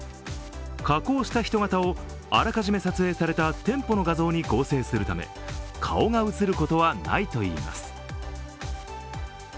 加工した人形をあらかじめ撮影された店舗の画像に合成するため顔が映ることはないといいます。